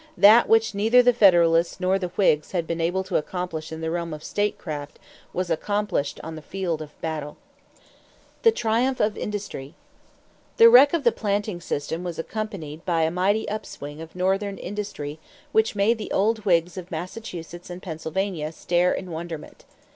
That which neither the Federalists nor the Whigs had been able to accomplish in the realm of statecraft was accomplished on the field of battle. =The Triumph of Industry.= The wreck of the planting system was accompanied by a mighty upswing of Northern industry which made the old Whigs of Massachusetts and Pennsylvania stare in wonderment.